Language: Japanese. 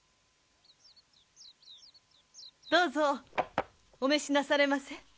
どうぞお召しなされませ。